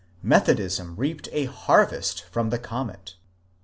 Methodism reaped a harvest from the comet.